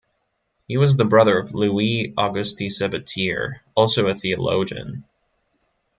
He was the brother of Louis Auguste Sabatier, also a theologian.